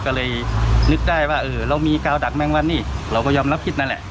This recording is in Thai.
ก็เลยนึกได้ว่าเออเรามีกาวดักแมงวันนี่เราก็ยอมรับคิดนั่นแหละ